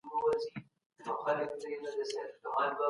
که دی راسره وای، نو دا کار به ډېر ژر خلاص سوی وای.